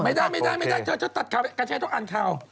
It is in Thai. ไม่ได้เขาตัดข่าวเกิดอันข่าว